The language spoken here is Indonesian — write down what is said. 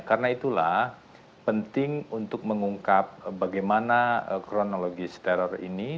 karena itulah penting untuk mengungkap bagaimana kronologi teror ini